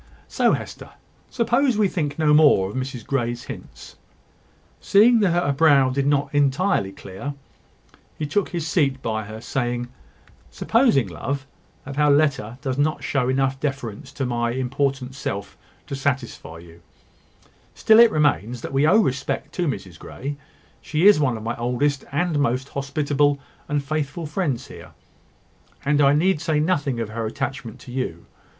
So, Hester, suppose we think no more of Mrs Grey's hints?" Seeing that her brow did not entirely clear, he took his seat by her, saying: "Supposing, love, that her letter does not show enough deference to my important self to satisfy you, still it remains that we owe respect to Mrs Grey. She is one of my oldest, and most hospitable, and faithful friends here; and I need say nothing of her attachment to you.